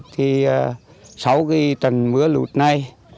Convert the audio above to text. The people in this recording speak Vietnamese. thì sau cái trần mưa lụt này